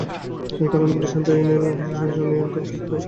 এ কারণে পুলিশ শান্তি ও আইনের শাসন ফিরিয়ে আনতে হস্তক্ষেপ করে।